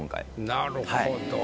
なるほど。